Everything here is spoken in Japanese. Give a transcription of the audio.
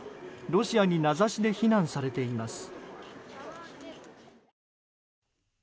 ロシアに名指しで非難されています。